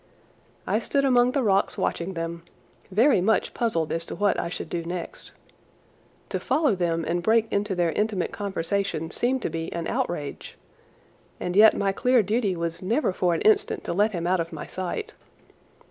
I stood among the rocks watching them, very much puzzled as to what I should do next. To follow them and break into their intimate conversation seemed to be an outrage, and yet my clear duty was never for an instant to let him out of my sight.